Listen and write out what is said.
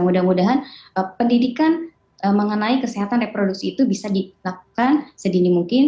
mudah mudahan pendidikan mengenai kesehatan reproduksi itu bisa dilakukan sedini mungkin